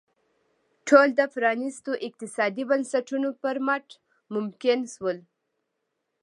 ټول د پرانیستو اقتصادي بنسټونو پر مټ ممکن شول.